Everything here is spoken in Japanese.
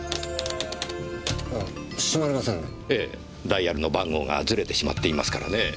ダイヤルの番号がズレてしまっていますからね。